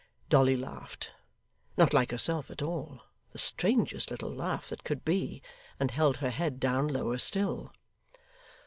Dolly laughed not like herself at all the strangest little laugh that could be and held her head down lower still.